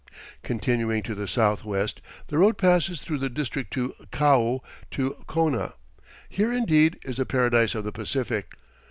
Continuing to the southwest, the road passes through the district of Kau to Kona. Here, indeed, is the "Paradise of the Pacific."